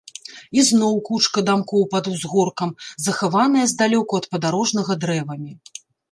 Ізноў кучка дамкоў пад узгоркам, захаваная здалёку ад падарожнага дрэвамі.